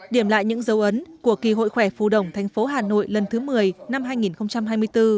điểm lại những dấu ấn của kỳ hội khỏe phu động tp hà nội lần thứ một mươi năm hai nghìn hai mươi bốn